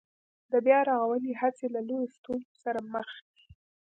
د بيا رغونې هڅې له لویو ستونزو سره مخ دي